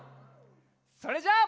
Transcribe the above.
それじゃあ。